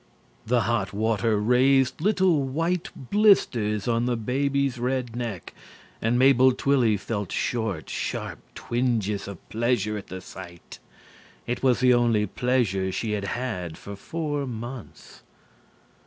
The hot water raised little white blisters on the baby's red neck and Mabel Twilly felt short, sharp twinges of pleasure at the sight. It was the only pleasure she had had for four months.